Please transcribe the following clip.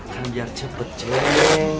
kan biar cepet ceng